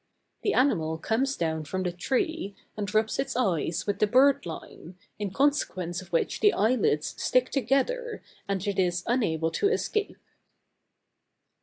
The animal comes down from the tree, and rubs its eyes with the bird lime, in consequence of which the eyelids stick together, and it is unable to escape."